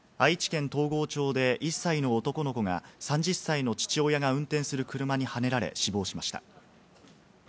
愛知県東郷町で１歳の男の子が３０歳の父親が運転する車にはねられ、死亡しました。